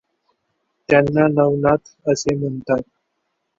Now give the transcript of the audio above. त्यांना नवनाथ असे म्हणतात.